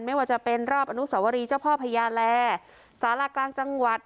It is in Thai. ไม่ว่าจะเป็นรอบอนุสวรีเจ้าพ่อพญาแลสารากลางจังหวัด